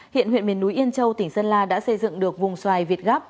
hiện huyện miền núi yên châu tỉnh sơn la đã xây dựng được vùng xoài việt gáp